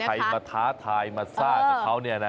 ใครมาท้าทายมาซ่าเขาเนี่ยนะ